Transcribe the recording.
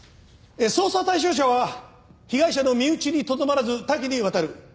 捜査対象者は被害者の身内にとどまらず多岐にわたる。